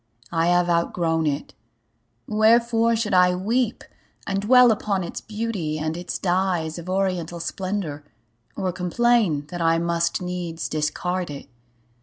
I have outgrown it. Wherefore should I weep And dwell upon its beauty, and its dyes Of oriental splendor, or complain That I must needs discard it?